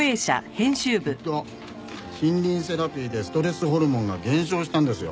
きっと森林セラピーでストレスホルモンが減少したんですよ。